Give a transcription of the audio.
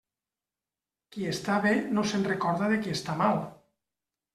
Qui està bé no se'n recorda de qui està mal.